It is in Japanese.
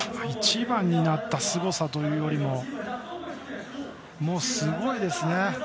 一番になったすごさというよりももうすごいですね。